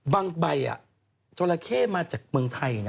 บางใบอะเจ้าของเจราเข้มาจากเมืองไทยนะ